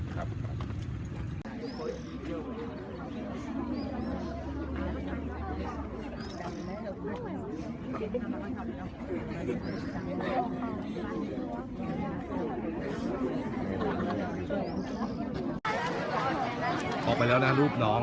เอาไปแล้วนะลูกหนอง